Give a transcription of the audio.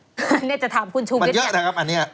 อันนี้จะถามคุณชูวิทย์เยอะนะครับอันนี้